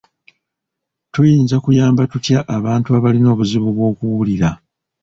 Tuyinza kuyamba tutya abantu abalina obuzibu bw'okuwulira?